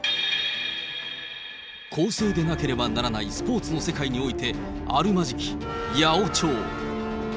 公正でなければならないスポーツの世界においてあるまじき八百長。